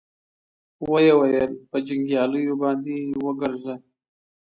ويې ويل: په جنګياليو باندې وګرځه.